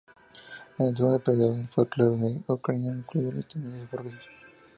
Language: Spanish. En el segundo período del folclore de Ucrania han influido las tendencias burguesas.